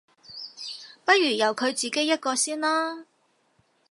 不如由佢自己一個先啦